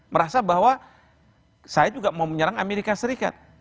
merasa bahwa saya juga mau menyerang amerika serikat